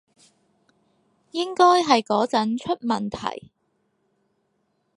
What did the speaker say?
應該係嗰陣出問題